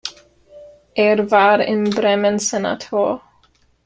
Er war in Bremen Senator.